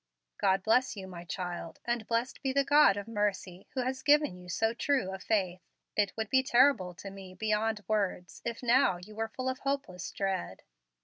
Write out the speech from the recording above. "God bless you, my child; and blessed be the God of mercy who has given you so true a faith. It would be terrible to me beyond words if now you were full of hopeless dread."